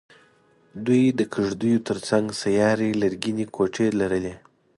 دوی د کېږدیو تر څنګ سیارې لرګینې کوټې لرلې.